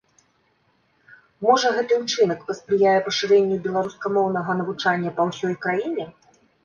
Можа, гэты ўчынак паспрыяе пашырэнню беларускамоўнага навучання па ўсёй краіне?